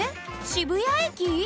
渋谷駅？